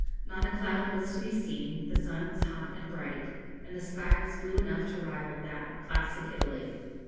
Not a cloud was to be seen, the sun was hot and bright, and the sky was blue enough to rival that of classic Italy.